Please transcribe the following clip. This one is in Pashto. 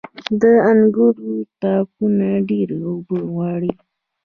• د انګورو تاکونه ډيرې اوبه غواړي.